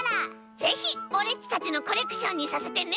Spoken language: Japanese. ぜひオレっちたちのコレクションにさせてね！